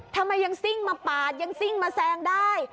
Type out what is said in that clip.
ทำไมยังซิ่งมาปาดยังซิ่งมาแซงได้